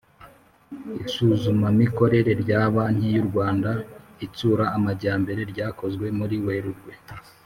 Isuzumamikorere rya Banki y u Rwanda Itsura Amajyambere ryakozwe muri Werurwe